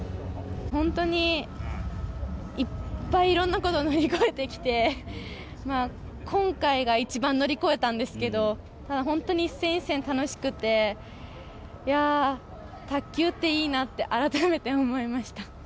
本当にいっぱい、いろんなことを乗り越えてきて今回が一番乗り越えたんですけどただ、本当に１戦１戦楽しくて卓球っていいなって改めて思いました。